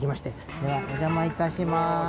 ではおじゃまいたします。